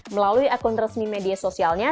melalui akun resmi media sosialnya